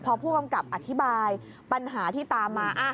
พอผู้กำกับอธิบายปัญหาที่ตามมา